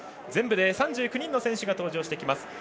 全部で３９人の選手が登場します。